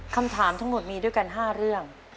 คำถามทั้งหมดมีด้วยกัน๕เรื่อง